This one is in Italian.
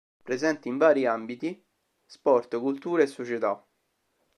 Presente in vari ambiti: sport, cultura e società.